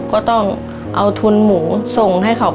ก็ต้องเอาทุนหมูส่งให้เขา